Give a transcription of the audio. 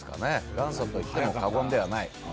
元祖といっても過言ではない。